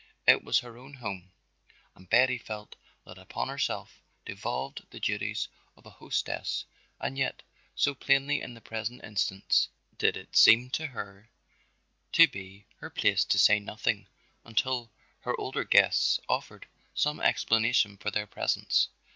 It was her own home, and Betty felt that upon herself devolved the duties of a hostess and yet so plainly in the present instance did it seem to be her place to say nothing until her older guests offered some explanation for their presence.